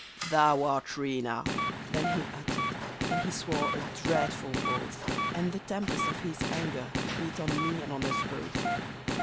"' Thou art Rena,' then he uttered, and he swore a dreadful oath, And the tempest of his anger beat on me and on us both.